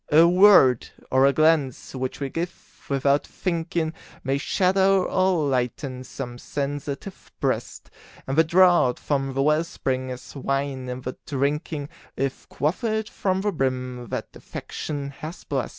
A word or a glance which we give "without thinking", May shadow or lighten some sensitive breast; And the draught from the well spring is wine in the drinking, If quaffed from the brim that Affection has blest.